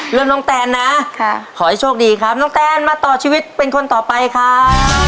น้องแตนนะขอให้โชคดีครับน้องแตนมาต่อชีวิตเป็นคนต่อไปครับ